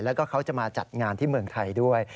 แล้วก็เขาจะมาจัดงานที่เมืองไทยด้วย